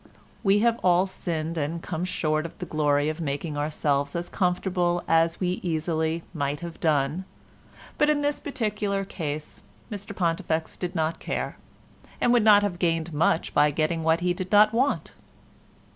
We have all sinned and come short of the glory of making ourselves as comfortable as we easily might have done, but in this particular case Mr Pontifex did not care, and would not have gained much by getting what he did not want.